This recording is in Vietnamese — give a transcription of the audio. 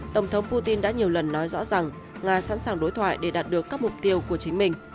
tổng thống putin đã nhiều lần nói rõ rằng nga sẵn sàng đối thoại để đạt được các mục tiêu của chính mình